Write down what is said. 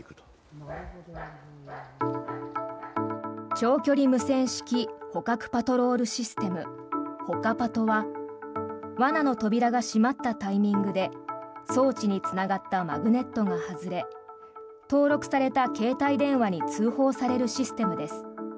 長距離無線式捕獲パトロールシステムほかパトは罠の扉が閉まったタイミングで装置につながったマグネットが外れ登録された携帯電話に通報されるシステムです。